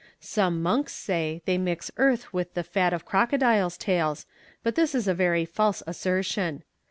Some monks say they mix earth with the fat of crocodiles' tails, but this is a very false assertion.